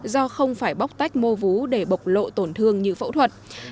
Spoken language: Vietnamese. do không phải bóc tách mô vú để bộc lộ tổn thương như phẫu thuật